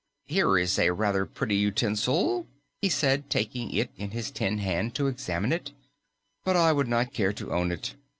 "Here is a rather pretty utensil," he said, taking it in his tin hand to examine it, "but I would not care to own it.